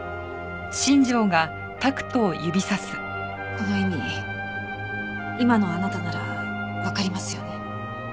この意味今のあなたならわかりますよね？